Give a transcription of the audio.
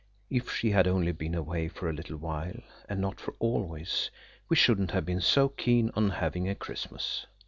If she had only been away for a little while, and not for always, we shouldn't have been so keen on having a Christmas.